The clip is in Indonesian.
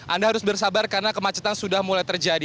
anda harus bersabar karena kemacetan sudah mulai terjadi